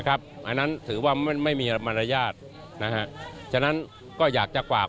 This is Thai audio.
อันนั้นถือว่าไม่มีมารยาทนะฮะฉะนั้นก็อยากจะฝาก